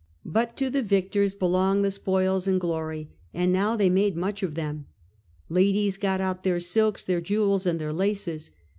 But to the victors belong the spoils and glory, and now they made much of them. Ladies got out their silks, their jewels and their laces.